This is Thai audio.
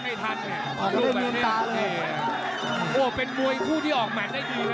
ติ้งขวาจิ้นขวาจิ้นขวาจิ้นขวา